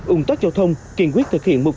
úng tóc giao thông kiên quyết thực hiện mục